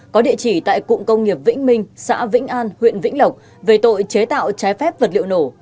có địa chỉ tại cụng công nghiệp vĩnh minh xã vĩnh an huyện vĩnh lộc về tội chế tạo trái phép vật liệu nổ